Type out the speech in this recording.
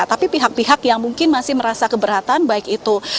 tapi pihak pihak yang mungkin masih merasa keberatan baik itu